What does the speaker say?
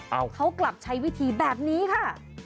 เอาเขากลับใช้วิธีแบบนี้ค่ะ